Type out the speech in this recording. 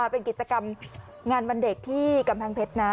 เป็นกิจกรรมงานวันเด็กที่กำแพงเพชรนะ